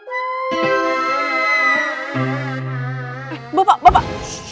eh bapak bapak